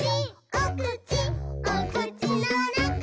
おくちおくちのなかに」